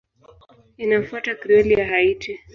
Inafuata Krioli ya Haiti.